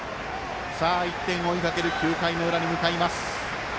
１点を追いかける９回の裏に向かいます。